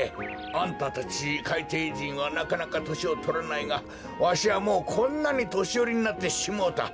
あんたたちかいていじんはなかなかとしをとらないがわしはもうこんなにとしよりになってしもうた。